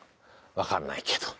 わかんないけど。